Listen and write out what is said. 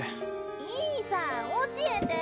いいさ教えて。